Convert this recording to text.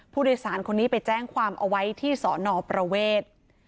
ผู้โดยสารคนนี้ไปแจ้งความเอาไว้ที่สอนอประเวท